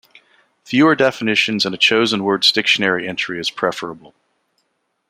Fewer definitions in a chosen word's dictionary entry is preferable.